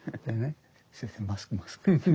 先生マスクマスク。